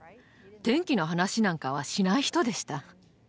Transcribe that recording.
天気の話なんかはしない人でした。